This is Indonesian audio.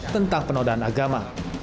tentang penodaan agama